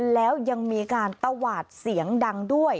แล้วยังมีการตวาดเสียงดังด้วย